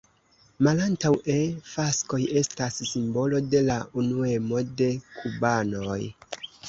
Malantaŭe faskoj estas simbolo de la unuemo de kubanoj.